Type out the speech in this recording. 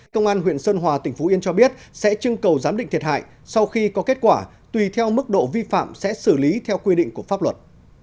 công an huyện sơn hòa tỉnh phú yên cho biết sẽ trưng cầu giám định thiệt hại sau khi có kết quả tùy theo mức độ vi phạm sẽ xử lý theo quy định của pháp luật